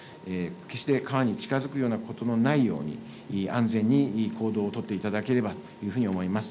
決して川に近づくことのないように、安全に行動を取っていただければというふうに思います。